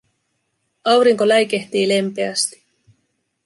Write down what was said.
Aurinko läikehtii lempeästi.